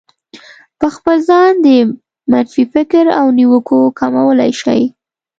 په خپل ځان د منفي فکر او نيوکو کمولای شئ.